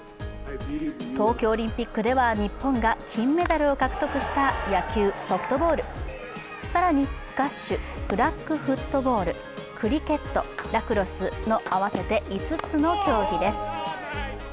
東京オリンピックでは日本が金メダルを獲得した野球・ソフトボール、更に、スカッシュ、フラッグフットボール、クリケット、ラクロスの合わせて５つの競技です。